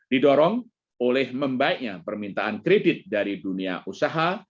didorong oleh membaiknya permintaan kredit dari dunia usaha